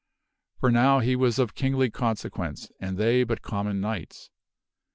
For now he was of kingly consequence and they but common knights.